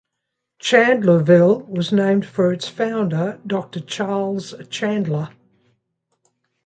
Chandlerville was named for its founder, Doctor Charles Chandler.